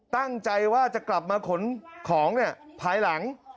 ตั้งใจว่าจะกลับมาขนของภายหลัง